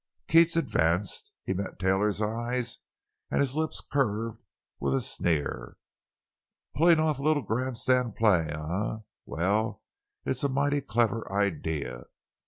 Keats advanced. He met Taylor's eyes and his lips curved with a sneer: "Pullin' off a little grand stand play, eh! Well, it's a mighty clever idea.